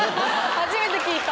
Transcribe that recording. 初めて聞いた！